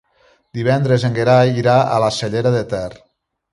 Divendres en Gerai irà a la Cellera de Ter.